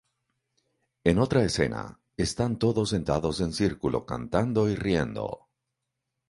En otra escena están todos sentados en círculo cantando y riendo.